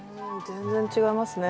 全然違いますね。